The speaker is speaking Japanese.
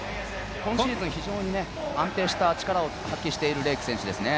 今シーズン非常に安定した力を発揮しているレイク選手ですね。